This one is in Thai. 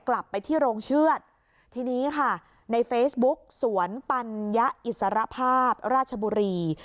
กลับไปที่โรงเชือดทีนี้ค่ะในเฟซบุ๊กสวนปัญญาอิสรภาพราชบุรี